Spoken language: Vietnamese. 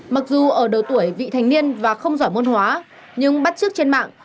mặc dù ở độ tuổi vị thành niên và không giỏi môn hóa nhưng bắt trước trên mạng